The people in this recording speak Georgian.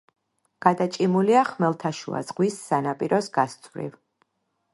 გადაჭიმულია ხმელთაშუა ზღვის სანაპიროს გასწვრივ.